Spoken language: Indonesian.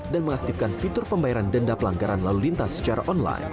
dan mengaktifkan fitur pembayaran denda pelanggaran lalu lintas secara online